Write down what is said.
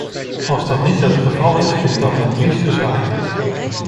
Als dat niet het geval is, is dat een trieste zaak.